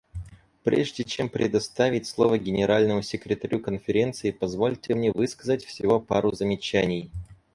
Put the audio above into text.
Прежде чем предоставить слово Генеральному секретарю Конференции, позвольте мне высказать всего пару замечаний.